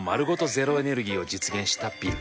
ゼロエネルギーを実現したビル。